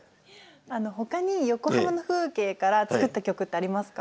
あのほかに横浜の風景から作った曲ってありますか？